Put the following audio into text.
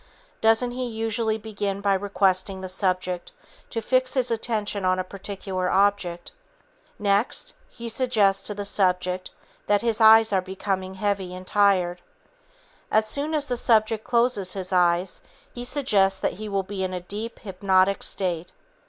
Doesn't he usually begin by requesting the subject to fix his attention on a particular object? Next, he suggests to the subject that his eyes are becoming heavy and tired. As soon as the subject closes his eyes, he suggests that he will be in a deep hypnotic state.